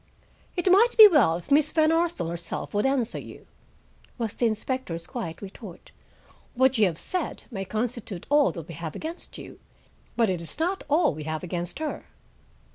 "It might be well if Miss Van Arsdale herself would answer you," was the inspector's quiet retort. "What you have said may constitute all that we have against you, but it is not all we have against her."